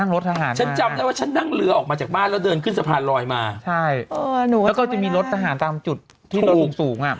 เรือออกมาจากบ้านแล้วเดินขึ้นสะพานลอยมาใช่เออแล้วก็จะมีรถทหารตามจุดที่เราสูงสูงอ่ะ